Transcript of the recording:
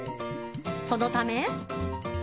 そのため。